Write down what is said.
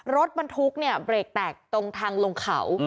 รถบรรทุกเนี่ยเบรกแตกตรงทางลงเขา